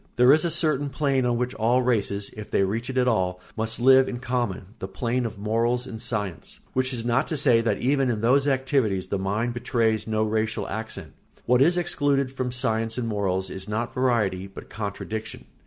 There is a certain plane on which all races, if they reach it at all, must live in common, the plane of morals and science; which is not to say that even in those activities the mind betrays no racial accent. What is excluded from science and morals is not variety, but contradiction.